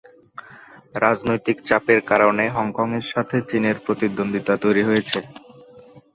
রাজনৈতিক চাপের কারণে হংকংয়ের সাথে চীনের প্রতিদ্বন্দ্বিতা তৈরি হয়েছে।